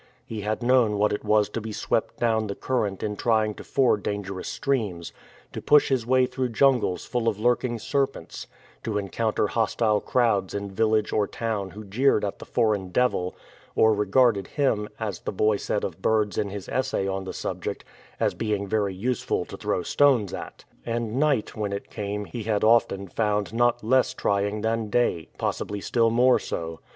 He had known what it was to be swept down the current in trying to ford danger ous streams, to push his way through jungles full of lurk ing serpents, to encounter hostile crowds in village or town who jeered at the "foreign devil,*" or regarded him, as the boy said of birds in his essay on the subject, as being *' v^ery useful to throw stones at." And night when it came he had often found not less trying than day, possibly still more so.